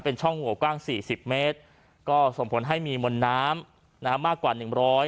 เป็นช่องโหวกว้างสี่สิบเมตรก็ส่งผลให้มีมวลน้ำนะฮะมากกว่าหนึ่งร้อย